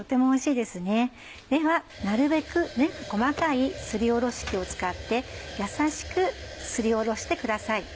ではなるべく目の細かいすりおろし器を使って優しくすりおろしてください。